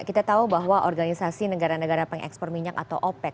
kita tahu bahwa organisasi negara negara pengekspor minyak atau opec